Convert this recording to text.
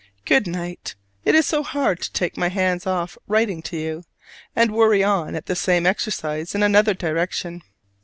Good night. It is so hard to take my hands off writing to you, and worry on at the same exercise in another direction.